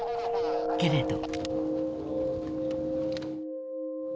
［けれど］